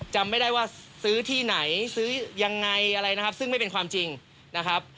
จำไม่ได้ว่าซื้อที่ไหนซื้อยังไงอะไรนะครับซึ่งไม่เป็นความจริงนะครับ